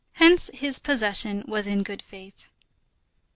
Hence his possession was in good faith.